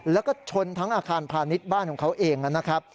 แล้วก็ชนทั้งอาคารพาณิชย์บ้านของเขาเองนะครับ